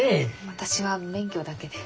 私は免許だけで。